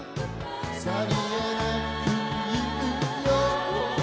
「さりげなく言うよ」